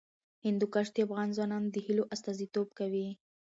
هندوکش د افغان ځوانانو د هیلو استازیتوب کوي.